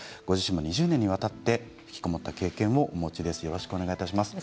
２０年にわたってひきこもった経験をお持ちです。